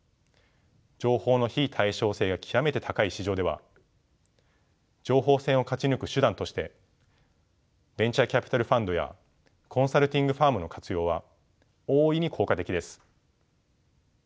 情報の非対称性が極めて高い市場では情報戦を勝ち抜く手段としてベンチャーキャピタルファンドやコンサルティングファームの活用は大いに効果的です。